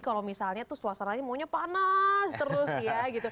kalau misalnya tuh suasananya maunya panas terus ya gitu